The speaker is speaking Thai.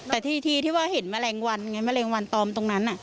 แต่ทีที่ว่าเห็นแมลงวันไงแมลงวันตอมตรงนั้น